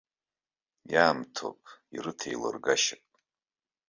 Иаамҭоуп, ирыҭ еилыргашьак.